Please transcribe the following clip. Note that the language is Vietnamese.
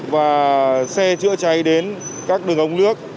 và xe chữa cháy đến các đường ống nước